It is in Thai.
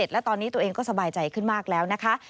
และตอนนี้ตัวเองก็สบายใจขึ้นมากแล้วนะคะ